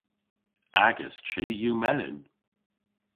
Agas chi yw melyn.